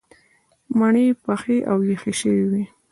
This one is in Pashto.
مڼې پخې او یخې شوې وې.